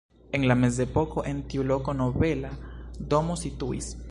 En la mezepoko en tiu loko nobela domo situis.